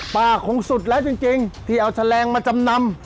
คงสุดแล้วจริงที่เอาแฉลงมาจำนำ